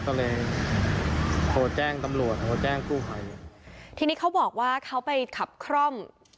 ก็เลยโหแจ้งตำลวจแจ้งผู้ให้ทีนี้เขาบอกว่าเขาไปขับคล่อม